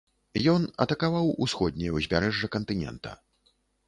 Ён атакаваў усходняе ўзбярэжжа кантынента.